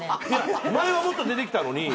前はもっと出てきたのに。